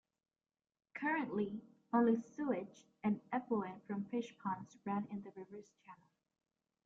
Currently, only sewage and effluent from fish ponds run in the river's channel.